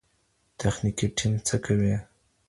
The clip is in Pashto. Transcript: تخنیکي ټیم څه کوي؟